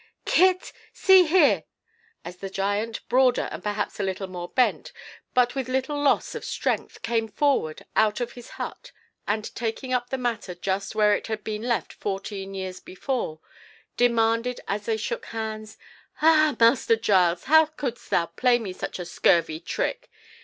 Kit! see here—" as the giant, broader and perhaps a little more bent, but with little loss of strength, came forward out of his hut, and taking up the matter just where it had been left fourteen years before, demanded as they shook hands, "Ah! Master Giles, how couldst thou play me such a scurvy trick?"